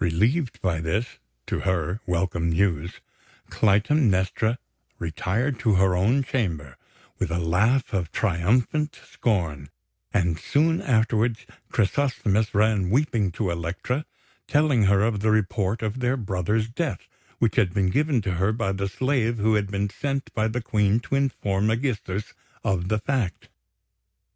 Relieved by this, to her, welcome news, Clytemnestra retired to her own chamber with a laugh of triumphant scorn; and soon afterwards Chrysosthemis ran weeping to Elektra, telling her of the report of their brother's death which had been given to her by the slave who had been sent by the Queen to inform Ægisthos of the fact.